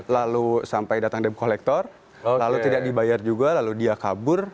lalu sampai datang debt collector lalu tidak dibayar juga lalu dia kabur